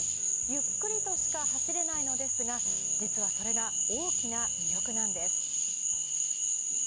ゆっくりとしか走れないのですが、実はそれが大きな魅力なんです。